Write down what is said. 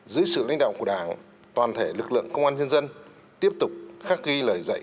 dưới sự lãnh đạo của đảng toàn thể lực lượng công an nhân dân tiếp tục khắc ghi lời dạy